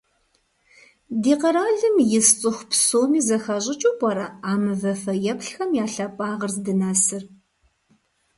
Ди къэралым ис цIыху псоми зэхащIыкIыу пIэрэ а мывэ фэеплъхэм я лъапIагъыр здынэсыр?